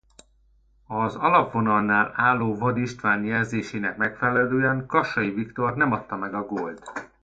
Az alapvonalnál álló Vad István jelzésének megfelelően Kassai Viktor nem adta meg a gólt.